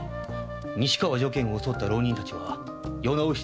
如見を襲った浪人たちは世直し